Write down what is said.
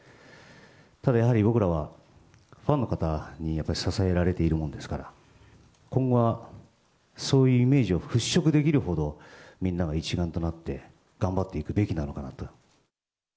ただ、やはり僕らは、ファンの方にやっぱり支えられているもんですから、今後は、そういうイメージを払拭できるほど、みんなが一丸となって頑張っていくべきなのかなと。